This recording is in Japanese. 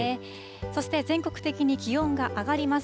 そして全国的に気温が上がります。